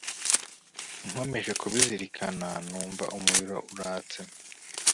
nkomeje kubizirikana numva umuriro uratse